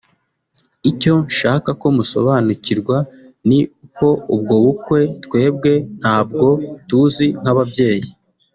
Icyo nshaka ko musobanukirwa ni uko ubwo bukwe twebwe ntabwo tuzi nk’ababyeyi